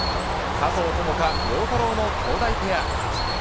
佐藤友花、陽太郎のきょうだいペア。